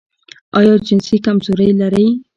ایا جنسي کمزوري لرئ؟